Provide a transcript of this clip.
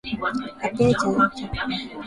Hapendi chai bila sukari.